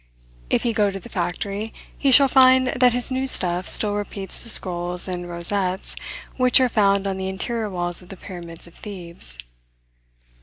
If he go to the factory, he shall find that his new stuff still repeats the scrolls and rosettes which are found on the interior walls of the pyramids of Thebes.